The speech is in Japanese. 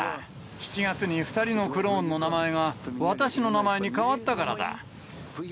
７月に２人のクローンの名前が、私の名前に変わったからだ。